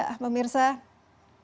kasus pencemarahan karang